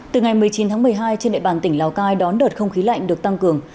từ ngày một mươi chín tháng một mươi hai trên địa bàn tỉnh lào cai đón đợt không khí lạnh được tăng cường